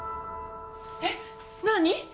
えっ？何？